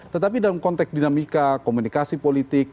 tetapi dalam konteks dinamika komunikasi politik